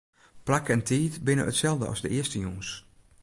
Plak en tiid binne itselde as de earste jûns.